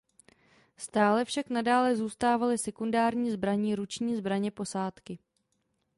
Stále však nadále zůstávaly sekundární zbraní ruční zbraně posádky.